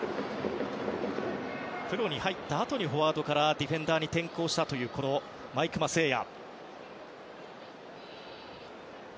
プロに入ったあとにフォワードからディフェンダーに転向したという毎熊晟矢。